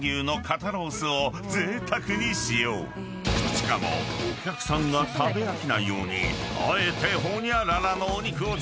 ［しかもお客さんが食べ飽きないようにあえてホニャララのお肉を使っているのだが］